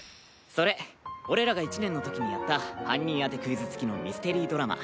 それ俺らが１年のときにやった犯人当てクイズ付きのミステリードラマ。